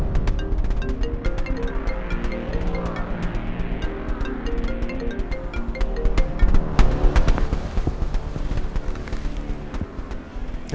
kita sudah mencegah